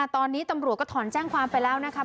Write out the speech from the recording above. ตอนนี้ตำรวจก็ถอนแจ้งความไปแล้วนะครับ